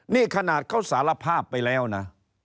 นี่ขนาดเขาสารภาพไปแล้วนะ